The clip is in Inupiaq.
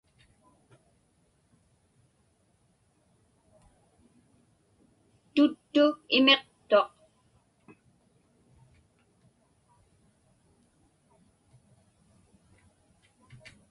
Tuttu imiqtuq.